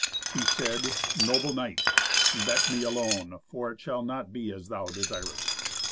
She said, "Noble knight, let me alone, for it shall not be as thou desirest.